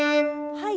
はい！